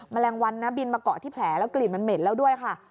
แมลงวันนะบินมาเกาะที่แผลแล้วกลิ่นมันเหม็นแล้วด้วยค่ะ